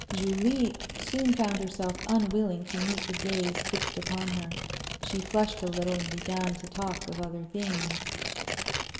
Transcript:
Julie soon found herself unwilling to meet the gaze fixed upon her. She flushed a little and began to talk of other things.